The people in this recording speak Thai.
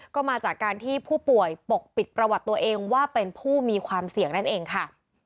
ก็มาจากการที่ผู้ป่วยปกปิดประวัติตัวเองว่าเป็นผู้มีความเสี่ยงนั่นเองค่ะ